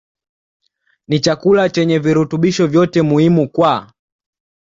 ni chakula chenye virutubisho vyote muhimu kwa